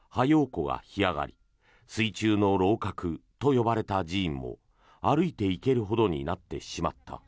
湖が干上がり水中の楼閣と呼ばれた寺院も歩いて行けるほどになってしまった。